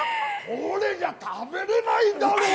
これじゃ食べれないだろう！